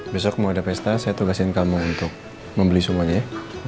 besok mau ada pesta saya tugasin kamu untuk membeli semuanya ya